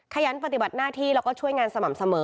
ขยันปฏิบัติหน้าที่แล้วก็ช่วยงานสม่ำเสมอ